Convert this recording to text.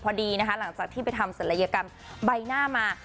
พอดีนะคะหลังจากที่ไปทำศัลยกรรมใบหน้ามา